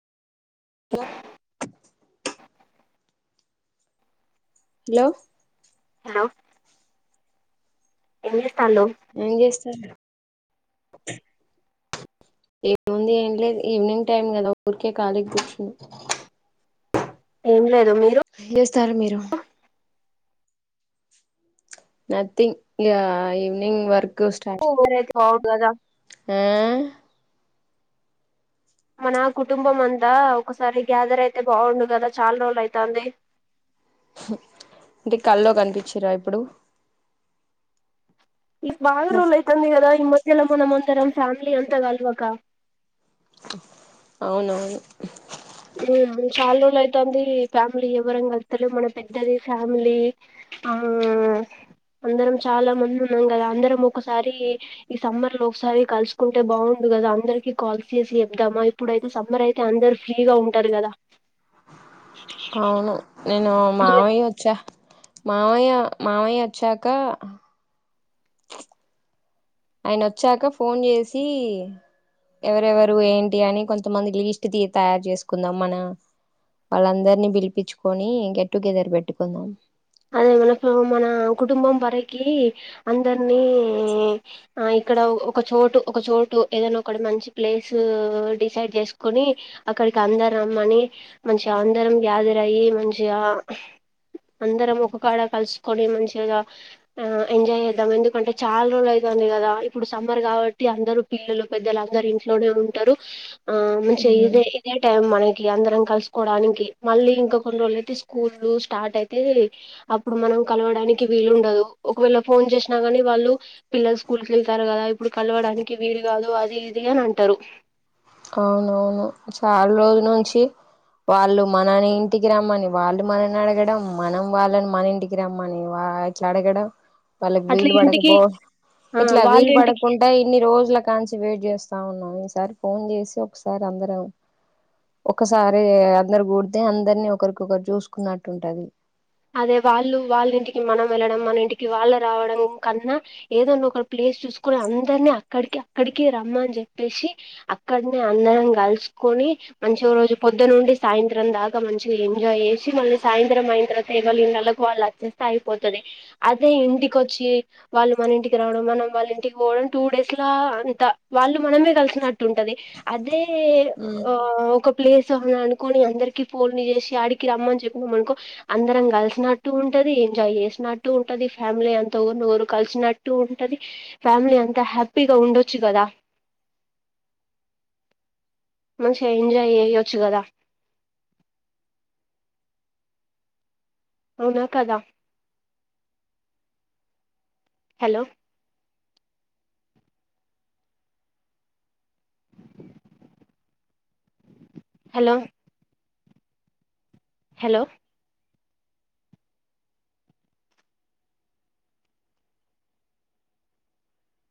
hello hello hello ఎవరు ఏం చేస్తారు ఏముంది ఏం లేదు ఈవినింగ్ టైమ్ కదా ఊరికే కాలిగా కూర్చునా లేద చేస్తారు మీరు నథింగ్ ఇగ ఈవనింగ్ వర్క్ అయితే బాగుండు కదా ఆ మన కుటుంబం అంతా ఒకసారి గ్యాదర్ అయితే బాగుండు కదా చాలా రోజులు అయితాంది అంటే కల్లో కనిపించిరా ఇప్పుడు మా విరోల్ అయితంది కదా ఈ మధ్యలో మనం అందరం ఫ్యామిలీ అంత కల్వాక అవునవును చాలా రోజులవుతాంది ఫ్యామిలీ ఎవరం కలుత్తలేదు మన పెద్దది ఫ్యామిలీ ఆ అందరం చాలా మంది ఉన్నాం కదా అందరం ఒకసారి ఈ సమ్మర్ లో ఒకసారి కలుసుకుంటే బాగుండు కదా అందరికి కాల్స్ చేసి చెద్దామా ఇప్పుడుయితే సమ్మర్ అయితే అందరు ఫ్రీగా ఉంటారు కదా అవును నేను పిల్ల మామయ్య వచ్చా మావయ్య మావయ్య వచ్చాక ఆయన వచ్చాక ఫోన్ చేసి ఎవరెవరు ఏంటి అని కొంతమంది లీస్ట్ తీ తయారు చేసుకుందాం మన వాళ్ళందరినీ పిలిపించుకొని గెట్టుగెదర్ పెట్టుకుందాం అదే మన మన కుటుంబం వరకి అందరినీ ఆ ఇక్కడ ఒక చోటు ఒక చోటు ఏదైనా ఒకటి మంచి ప్లేస్ డిసైడ్ చేసుకుని అక్కడికి అందరు రమ్మని మంచిగా అందరం గ్యాదర్ అయ్యి మంచిగా అందరం ఒక కాడ కలుసుకొని మంచిగా ఎంజాయ్ చేద్దాం ఎందుకంటే చాలా రోజులు అవుతన్ది కదా దా ఇప్పుడు సమ్మర్ కాబట్టి అందరు పిల్లలు పెద్దలు అందరు ఇంట్లోనే ఉంటారు ఆ మంచి ఉ ఇదే ఇదే టైమ్ మనకి అందరం కలుసుకోవడానికి మళ్లీ ఇంకా కొన్ని రోజులు అయితే స్కూల్ స్టార్ట్ అయి తే అప్పుడు మనం కలవడానికి వీలుండదు ఒకవేళ ఫోన్ చేసినా కానీ వాళ్ళు పిల్లలు స్కూ స్కూల్కి వెళ్తారు కదా ఇప్పుడు కలవడానికి వీలు కాదు అది ఇది అని అంటారు అవునవును చాలా రోజుల నుంచి వాళ్ళు మనని ఇంటికి రమ్మని వాళ్ళు మనని అడగడం మనం వాళ్ళని మన ఇంటికి రమ్మని వా అట్లా అడగడం వాళ్ళకి అట్లా వీలు ఇంటికి పడకపో ఆ ఇట్లా వాళ్ళ వీలు ఇంటికి పడకుంటె ఇన్ని రోజుల నుంచి వెయిట్ చేస్తా ఉన్నాం ఈసారి ఫోన్ చేసి ఒకసారి అందరం ఒకసారి అందరు కూడితే అందరిని ఒకరికొకరు చూసుకున్నట్టు ఉంటది అదే వాళ్ళు వాళ్ళ ఇంటికి మనం వెళ్ళడం మన ఇంటికి వాళ్ళు రావడం కన్నా ఏదన్నా ఒక ప్లే సు చూసుకుని అందరిని అక్కడికి అక్కడికి రమ్మని చెప్పేసి అక్కడనే అందరం కలుస్కో ని మంచి రోజు పొద్దు నుండి సాయంత్రం దాకా మంచిగా ఎంజాయ్ చేసి మళ్ళీ సాయంత్రం అయిన తర్వాత ఎవరి ఇళ్ళకి వాళ్ళు వెళ్ళిపోతే అయిపోతది అదే ఇంటికొచ్చి వాళ్ళు మన ఇంటికి రావడం మన వాళ్ళ ఇంటికి పోవడం టూ డేస్ లా అంత వాళ్ళు మనమే కలిసినట్టు ఉంటది అదే ఏ ఉమ్ ఒక ప్లేస్ అని అనుకోని అందరికి ఫోన్ చేసి ఆడికి రమ్మని చెప్పినాము అనుకో అందరం కలిసినట్టు ఉంటది ఎంజాయ్ చేసినట్టు ఉంటది ఫ్యామిలీ అంత ఓరిని ఒకరు కలిసినట్టు ఉంటది ఫ్యామిలీ అంత హ్యాపీగా ఉండొచ్చు కదా మంచిగా ఎంజాయ్ చేయొచ్చు కదా అవునా కాదా హలో హలో హలో